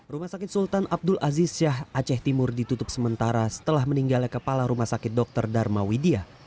rumah sakit sultan abdul aziz syah aceh timur ditutup sementara setelah meninggalnya kepala rumah sakit dr dharma widia